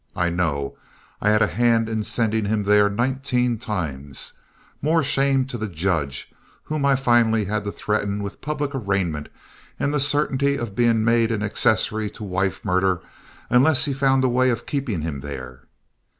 I know I had a hand in sending him there nineteen times, more shame to the judge whom I finally had to threaten with public arraignment and the certainty of being made an accessory to wife murder unless he found a way of keeping him there.